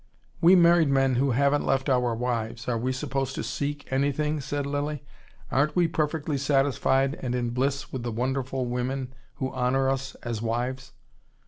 "We married men who haven't left our wives, are we supposed to seek anything?" said Lilly. "Aren't we perfectly satisfied and in bliss with the wonderful women who honour us as wives?"